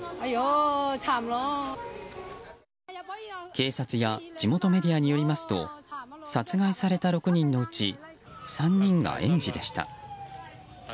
警察や地元メディアによりますと殺害された６人のうち３人が園児でした。